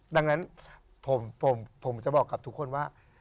ดังนั้นผมจะบอกกับทุกคนว่า